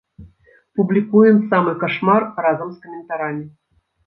Публікуем самы кашмар разам з каментарамі.